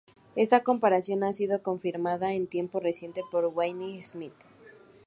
Esta comparación ha sido confirmada en tiempos recientes por Wayne Smith.